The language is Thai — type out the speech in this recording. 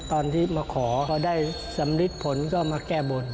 ตอนที่มาขอเขาได้สำริดผลก็มาแก้บน